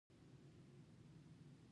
ایا د بدن یو اړخ مو کمزوری دی؟